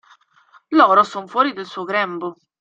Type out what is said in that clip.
Loro son fuori del suo grembo.